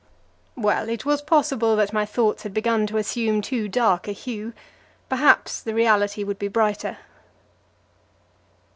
Well, it was possible that my thoughts had begun to assume too dark a hue; perhaps the reality would be brighter.